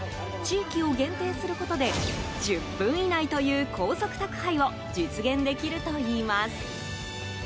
地域を限定することで１０分以内という高速宅配を実現できるといいます。